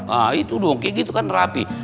ah itu dong kayak gitu kan rapi